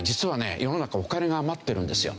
世の中お金が余ってるんですよ。